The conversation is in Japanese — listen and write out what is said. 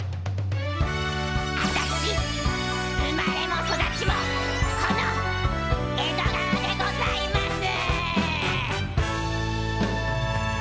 あたし生まれも育ちもこの江戸川でございます。